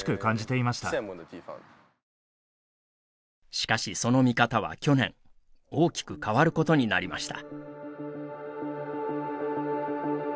しかし、その見方は去年大きく変わることになりました。